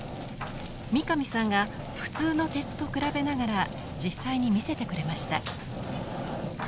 三上さんが普通の鉄と比べながら実際に見せてくれました。